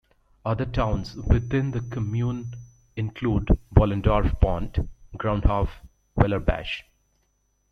Other towns within the commune include Bollendorf-Pont, Grundhof, Weilerbach.